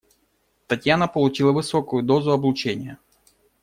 Татьяна получила высокую дозу облучения.